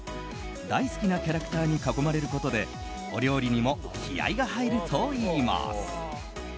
大好きなキャラクターに囲まれることでお料理にも気合が入るといいます。